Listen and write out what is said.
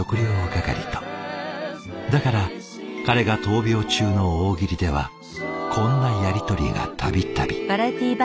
だから彼が闘病中の大喜利ではこんなやり取りが度々。